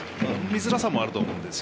見づらさもあると思うんです。